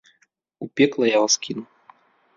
У пекла я вас кіну!